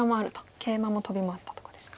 ケイマもトビもあったとこですか。